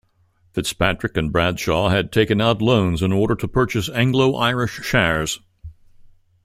FitzPatrick and Bradshaw had taken out loans in order to purchase Anglo Irish shares.